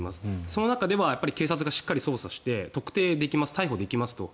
その中でも警察がしっかり捜査して特定できます逮捕できますと。